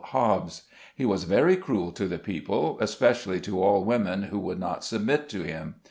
Hobbs. He was very cruel to the people, especially to all women who would not submit to him.